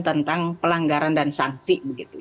tentang pelanggaran dan sangsi